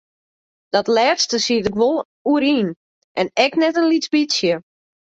Dat lêste siet ik wol oer yn en ek net in lyts bytsje.